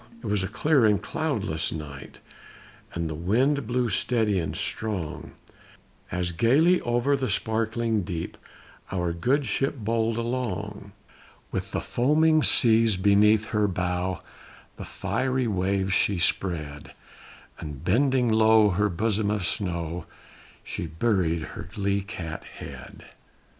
It was a clear and cloudless night, and the wind blew steady and strong, As gayly over the sparkling deep our good ship bowled along; With the foaming seas beneath her bow the fiery waves she spread, And bending low her bosom of snow, she buried her lee cat head.